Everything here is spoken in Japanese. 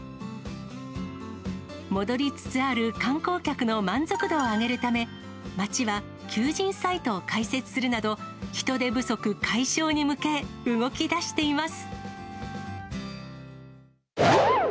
戻りつつある観光客の満足度を上げるため、町は、求人サイトを開設するなど、人手不足解消に向け、動きだしています。